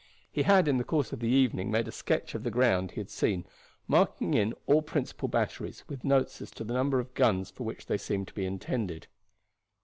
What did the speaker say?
He had in the course of the evening made a sketch of the ground he had seen, marking in all the principal batteries, with notes as to the number of guns for which they seemed to be intended.